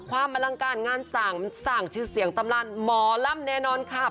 อลังการงานสั่งมันสร้างชื่อเสียงตำรานหมอล่ำแน่นอนค่ะ